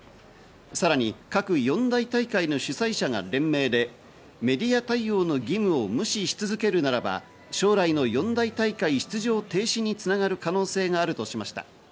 さらに各四大大会の主催者が連名でメディア対応の義務を無視し続けるならば、将来の四大大会出場停止に繋がる可能性があるとしました。